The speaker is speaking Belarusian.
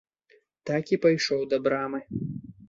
Так і пайшоў да брамы.